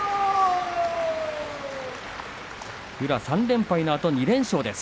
宇良、３連敗のあと２連勝です。